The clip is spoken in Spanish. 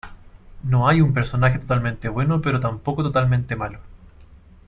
No hay un personaje totalmente bueno pero tampoco totalmente malo.